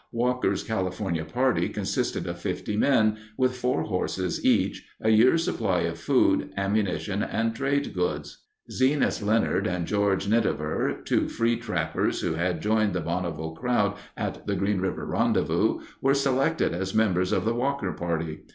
Walker's California party consisted of fifty men, with four horses each, a year's supply of food, ammunition, and trade goods. Zenas Leonard and George Nidever, two free trappers who had joined the Bonneville crowd at the Green River rendezvous, were selected as members of the Walker party.